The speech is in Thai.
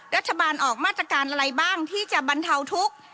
รัฐบาลออกมาตรการอะไรบ้างที่จะบรรเทาทุกข์